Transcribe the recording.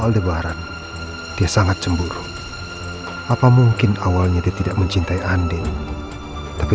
lebaran dia sangat cemburu apa mungkin awalnya dia tidak mencintai andin tapi